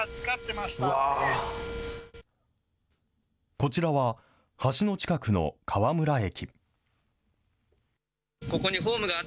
こちらは、橋の近くの川村駅。